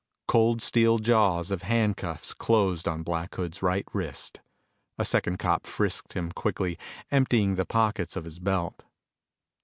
Cold steel jaws of handcuffs closed on Black Hood's right wrist. A second cop frisked him quickly, emptying the pockets of his belt.